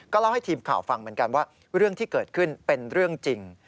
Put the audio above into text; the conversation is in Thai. เล่าให้ทีมข่าวฟังเหมือนกันว่าเรื่องที่เกิดขึ้นเป็นเรื่องจริง